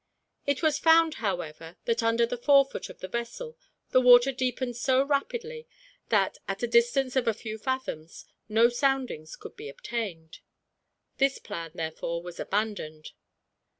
It was found, however, that under the forefoot of the vessel the water deepened so rapidly that, at a distance of a few fathoms, no soundings could be obtained. This plan, therefore, was abandoned.